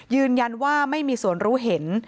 ยืนยันว่าไม่มีส่วนรู้เห็น